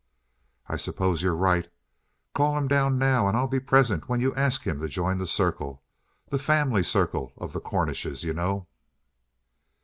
"I suppose you're right. Call him down now and I'll be present when you ask him to join the circle the family circle of the Cornishes, you know."